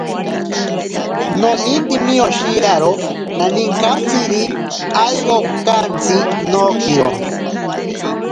Nonintemi oshiyaro naninkatsiri, airo okantsi nookiro.